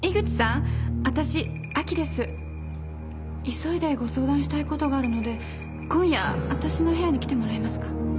急いでご相談したいことがあるので今夜私の部屋に来てもらえますか？